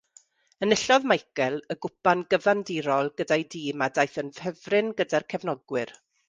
Enillodd Michael y Gwpan Gyfandirol gyda'i dîm a daeth yn ffefryn gyda'r cefnogwyr.